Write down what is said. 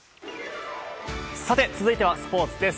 続いてはスポーツです。